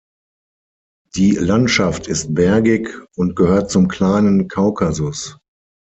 Die Landschaft ist bergig und gehört zum Kleinen Kaukasus.